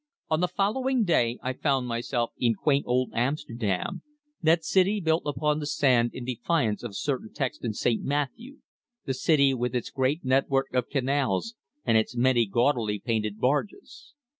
On the following day I found myself in quaint old Amsterdam, that city built upon the sand in defiance of a certain text in St. Matthew, the city with its great network of canals, and its many gaudily painted barges.